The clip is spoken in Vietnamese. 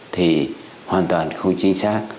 thì hoàn toàn không chính xác